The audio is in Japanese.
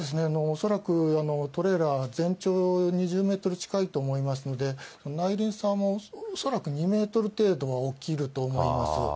恐らくトレーラー、全長２０メートル近いと思いますので、内輪差も恐らく２メートル程度起きると思います。